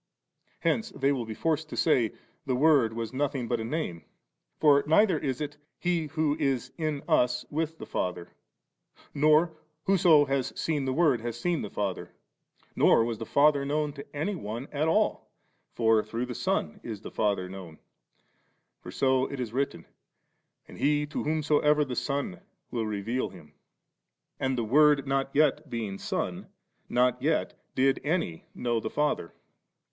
Hence they will be forced to say. The Word was nothing but a name. For neither is it He who is in us with the Father, nor whoso has seen the Word, hath seen the Father, nor was the Father known to any one at all, for through the Son is the Father known (for so it is written, *And he to whomsoever the Son will reveal Him'), and, the Word not being yet Son, not yet did any know the Father.